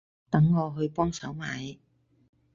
等我去幫手買